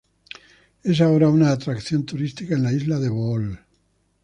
Es ahora una atracción turística en la isla de Bohol.